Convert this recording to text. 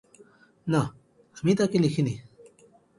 না, আমি তাকে লিখি নি।